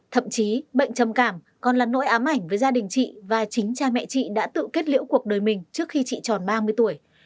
thậm chí bệnh trầm cảm còn là nỗi ám ảnh với gia đình chị và chính cha mẹ chị đã tự kết liễu cuộc đời mình trước khi chị tròn ba mươi tuổi